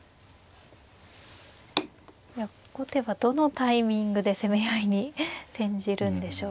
後手はどのタイミングで攻め合いに転じるんでしょう。